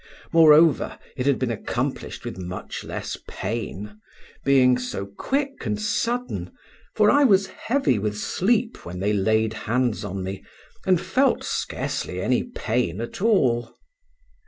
Moreover, it had been accomplished with much less pain, being so quick and sudden, for I was heavy with sleep when they laid hands on me, and felt scarcely any pain at all.